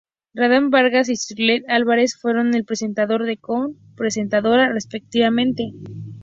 Randall Vargas y Shirley Álvarez fueron el presentador y la co-presentadora, respectivamente.